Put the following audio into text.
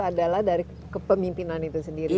adalah dari kepemimpinan itu sendiri